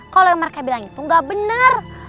kalau yang mereka bilang itu gak bener